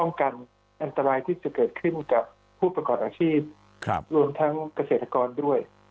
กันอันตรายที่จะเกิดขึ้นกับผู้ประกอบอาชีพรวมทั้งเกษตรกรด้วย